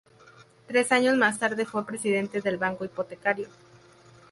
Tres años más tarde fue presidente del Banco Hipotecario.